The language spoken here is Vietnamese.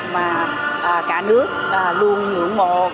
mà cả nước luôn ngưỡng mộ